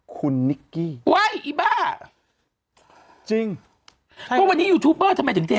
คุณนิกกี้เฮ้ยอีบ้ะจริงวันนี้ยูทูปเปอร์ทำไมถึงเท